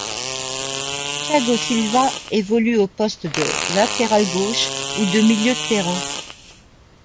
Tiago Silva évolue au poste de latéral gauche ou de milieu de terrain.